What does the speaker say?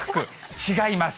違います。